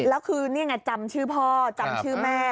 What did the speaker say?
แล้วคือนี่ไงจำชื่อพ่อจำชื่อแม่